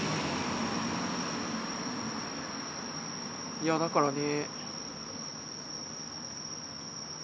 いやだからね。